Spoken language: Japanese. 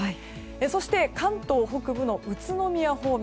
そして、関東北部の宇都宮方面。